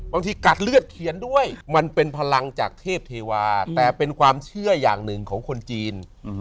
กัดเลือดเขียนด้วยมันเป็นพลังจากเทพเทวาแต่เป็นความเชื่ออย่างหนึ่งของคนจีน